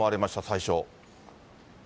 最初。